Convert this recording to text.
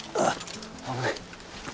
危ない。